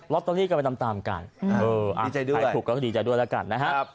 ล็อตเตอรี่กันไปตามกันดีใจด้วยถูกก็ดีใจด้วยแล้วกันนะฮะ